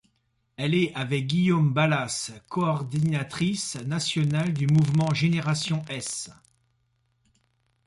Elle est, avec Guillaume Balas, coordinatrice nationale du mouvement Génération⋅s.